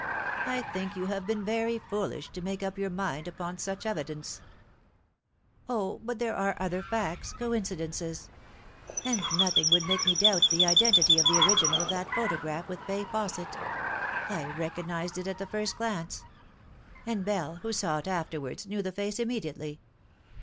" I think you have been very foolish to make up your mind upon such evidence." 168 The Fatal Three. " O, but there are other facts coincidences ! And nothing would make me doubt the identity of the original of that photograph with Fay Fausset. I recognised it at the first glance ; and Bell, who saw it afterwards, knew the face immediately.